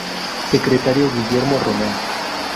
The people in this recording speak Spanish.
Secretario: Guillermo Román.